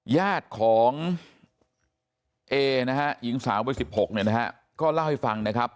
ญาติของเอหญิงสาวบริษัท๑๖ก็เล่าให้ฟังนะครับ